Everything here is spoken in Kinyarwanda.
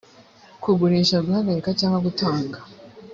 kugurisha guhagarika cyangwa gutanga